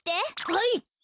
はい。